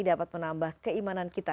dapat menambah keimanan kita